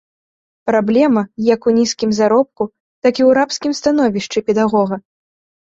Праблема як у нізкім заробку, так і ў рабскім становішчы педагога.